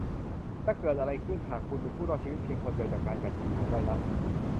จะเกิดอะไรขึ้นหากคุณเป็นผู้รอดชีวิตเพียงคนเดียวจากการกัดกินของไวรัส